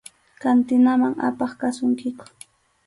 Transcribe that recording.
Kantinaman apaq kasunkiku.